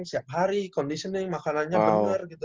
setiap hari conditioning makanannya benar gitu